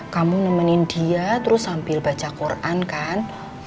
kamu nemenin dia terus sambil baca quran kan